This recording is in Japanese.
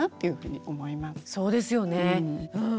そうですよねうん。